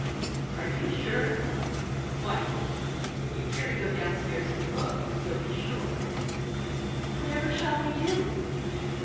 "Are you sure?" "Quite. If you care to go downstairs and look, you'll be sure." "Whatever shall we do?"